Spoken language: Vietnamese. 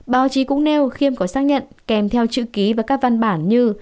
báo chí cũng nêu khiêm có xác nhận kèm theo chữ ký và các văn bản như